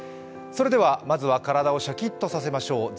それでは、まずは体をシャキッとさせましょう。